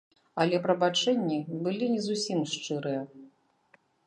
Але прабачэнні былі не зусім шчырыя.